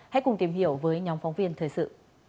hãy cùng tìm hiểu với nhóm phóng viên thời sự